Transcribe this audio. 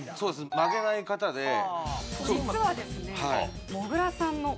曲げない方で実はですね